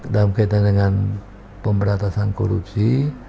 dalam kaitan dengan pemberantasan korupsi